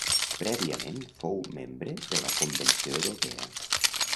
Prèviament fou membre de la Convenció Europea.